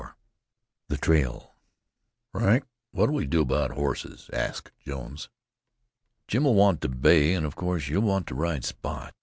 THE TRAIL "Frank, what'll we do about horses?" asked Jones. "Jim'll want the bay, and of course you'll want to ride Spot.